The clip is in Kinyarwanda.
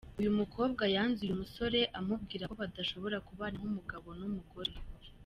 Uyu mukobwa yanze uyu musore amubwira ko badashobora kubana nk’umugabo n’umugore.